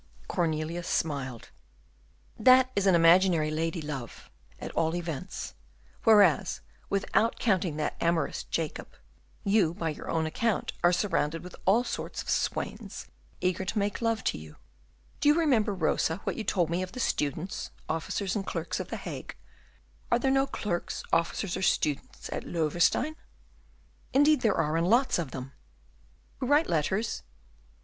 Cornelius smiled. "That is an imaginary lady love, at all events; whereas, without counting that amorous Jacob, you by your own account are surrounded with all sorts of swains eager to make love to you. Do you remember Rosa, what you told me of the students, officers, and clerks of the Hague? Are there no clerks, officers, or students at Loewestein?" "Indeed there are, and lots of them." "Who write letters?"